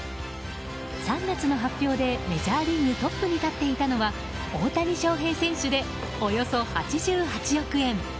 ３月の発表でメジャーリーグトップに立っていたのは大谷翔平選手で、およそ８８億円。